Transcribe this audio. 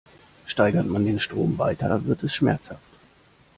Steigert man den Strom weiter, wird es schmerzhaft.